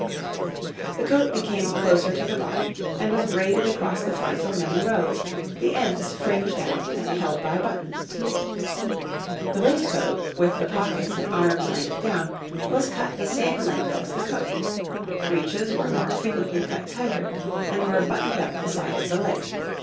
The coat became closer to the body, and was braided across the front in many rows, the ends fringed out and held by buttons. The waistcoat, with the pockets an arm's length down, was cut the same length as the coat. Breeches were more frequently cut tighter, and were buttoned up the side of the leg.